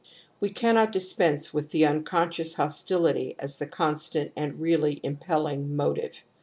We cannot dispense with the unconscious hostility as the constant and really impelling motive.